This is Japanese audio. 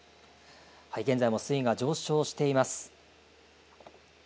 現在も水位が上昇しています。